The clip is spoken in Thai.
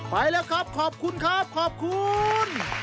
ไปแล้วครับขอบคุณครับขอบคุณ